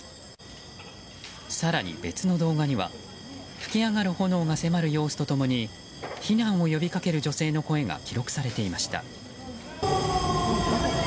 更に別の動画には噴き上がる炎が迫る様子と共に避難を呼びかける女性の声が記録されていました。